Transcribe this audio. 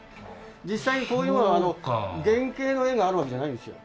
実際にこういうのは原型の絵があるわけじゃないんですよ。